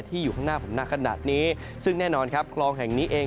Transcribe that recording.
อยู่ข้างหน้าผมนักขนาดนี้ซึ่งแน่นอนครับคลองแห่งนี้เอง